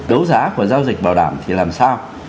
đấu giá của giao dịch bảo đảm thì làm sao